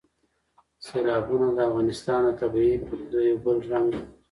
سیلابونه د افغانستان د طبیعي پدیدو یو بل رنګ دی.